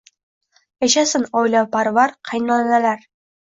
Yashasin, oilaparvar qaynonalar